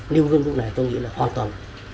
nêu gương lúc này tôi nghĩ là hoàn toàn